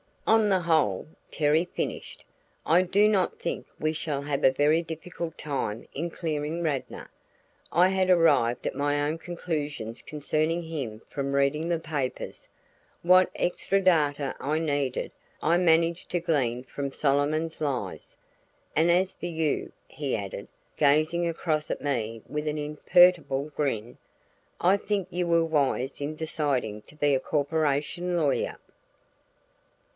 "On the whole," Terry finished, "I do not think we shall have a very difficult time in clearing Radnor. I had arrived at my own conclusions concerning him from reading the papers; what extra data I needed, I managed to glean from Solomon's lies. And as for you," he added, gazing across at me with an imperturbable grin, "I think you were wise in deciding to be a corporation lawyer."